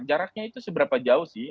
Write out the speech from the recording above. jaraknya itu seberapa jauh sih